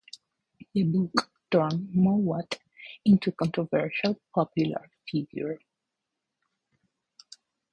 The book turned Mowat into a controversial, popular figure.